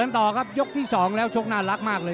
ต่อครับยกที่๒แล้วชกน่ารักมากเลย